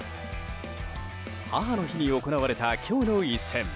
母の日に行われた今日の一戦。